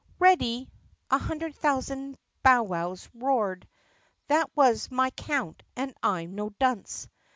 "Ready!" a hundred thousand bowwows roared. (That was my count and I 'm no dunce.)